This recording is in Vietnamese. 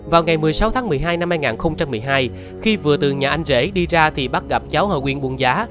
vào ngày một mươi sáu tháng một mươi hai năm hai nghìn một mươi hai khi vừa từ nhà anh rể đi ra thì bắt gặp cháu hờ quyên buông giá